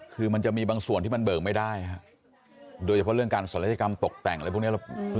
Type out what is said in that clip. คือมันจะมีบางส่วนที่มันเบิกไม่ได้ฮะโดยเฉพาะเรื่องการศัลยกรรมตกแต่งอะไรพวกนี้